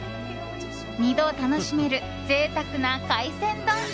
２度楽しめる贅沢な海鮮丼。